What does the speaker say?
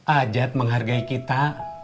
ajat menghargai kita